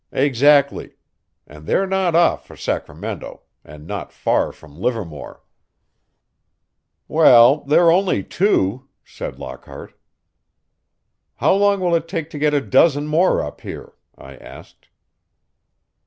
"Exactly. And they're not off for Sacramento, and not far from Livermore." "Well, they're only two," said Lockhart. "How long will it take to get a dozen more up here?" I asked.